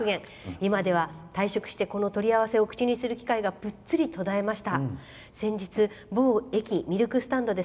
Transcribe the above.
今では退職してもこの取り合わせを口にする機会がぷっつり途絶えました。